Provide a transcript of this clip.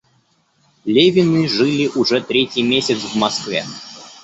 Левины жили уже третий месяц в Москве.